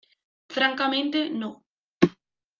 francamente no.